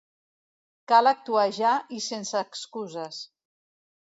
Cal actuar ja i sense excuses.